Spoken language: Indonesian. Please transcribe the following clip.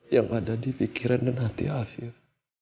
yang ada di pikiran dan hati akhir